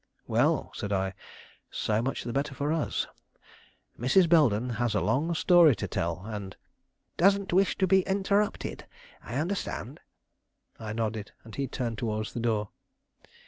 "Well," said I, "so much the better for us. Mrs. Belden has a long story to tell, and " "Doesn't wish to be interrupted. I understand." I nodded and he turned towards the door.